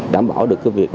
đảm bảo được cái việc